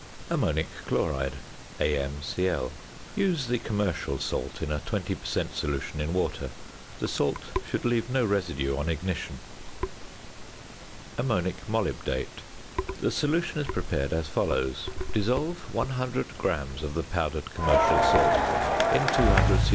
~Ammonic Chloride~, AmCl. Use the commercial salt in a 20 per cent. solution in water. The salt should leave no residue on ignition. ~Ammonic Molybdate.~ The solution is prepared as follows: Dissolve 100 grams of the powdered commercial salt in 200 c.c.